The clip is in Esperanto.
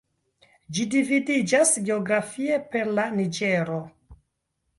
Ĝi dividiĝas geografie per la Niĝero.